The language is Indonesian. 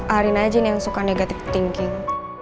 arin aja nih yang suka negative thinking